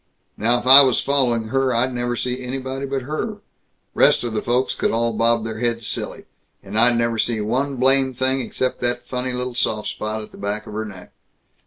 Now if I was following her, I'd never see anybody but her; rest of the folks could all bob their heads silly, and I'd never see one blame thing except that funny little soft spot at the back of her neck.